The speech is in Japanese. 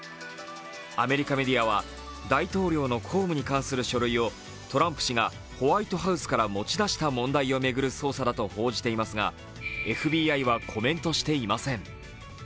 アメリカメディアは大統領の公務に関する書類をトランプ前大統領がホワイトハウスから持ち出した問題を巡る捜査だと報じていますがＦＢＩはコメントしていません。